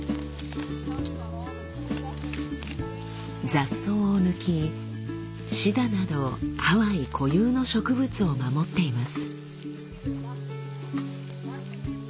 雑草を抜きシダなどハワイ固有の植物を守っています。